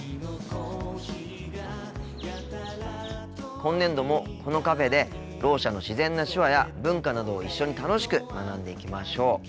今年度もこのカフェでろう者の自然な手話や文化などを一緒に楽しく学んでいきましょう。